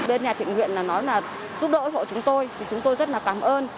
bên nhà thịnh huyện nói là giúp đỡ giúp đỡ chúng tôi chúng tôi rất là cảm ơn